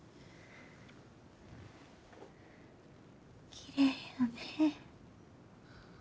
きれいやね。